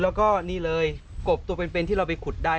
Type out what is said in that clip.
แล้วก็นี่เลยกบตัวเป็นที่เราไปขุดได้